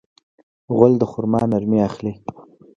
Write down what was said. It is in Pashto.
غول د خرما نرمي اخلي.